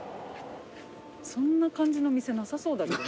そんな感じの店なさそうだけどな。